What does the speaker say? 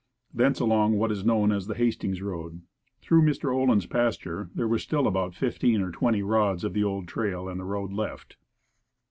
Thence along what is still known as the Hastings road. Through Mr. Olin's pasture there is still about fifteen or twenty rods of the Old Trail and road left.